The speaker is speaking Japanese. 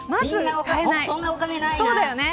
そんなお金ないよ。